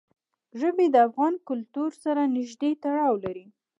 ژبې د افغان کلتور سره نږدې تړاو لري.